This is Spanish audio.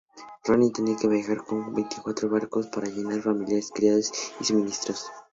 Rani tenía que viajar con veinticuatro barcos para llevar familiares, criados y suministros.